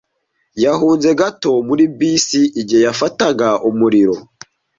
Yahunze gato muri bisi igihe yafataga umuriro.